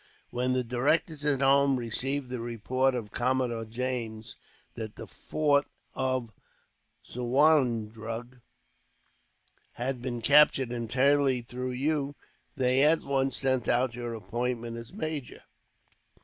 "When the directors at home received the report of Commodore James, that the fort of Suwarndrug had been captured entirely through you, they at once sent out your appointment as major.